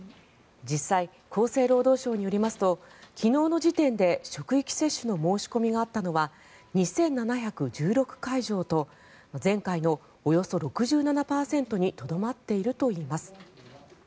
実際、厚生労働省によりますと昨日の時点で職域接種の申し込みがあったのは２７１６会場と前回のおよそ６７％にとどまっているといいます。